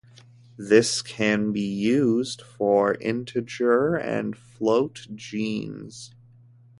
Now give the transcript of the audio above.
This can be used for integer and float genes.